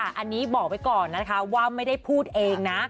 อันนี้บอกไว้ก่อนนะคะว่าไม่ได้พูดเองนะ